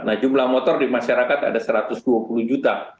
nah jumlah motor di masyarakat ada satu ratus dua puluh juta